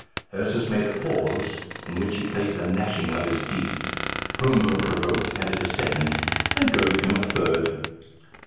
Ursus made a pause, in which he placed a gnashing of his teeth. Homo, provoked, added a second, and Govicum a third.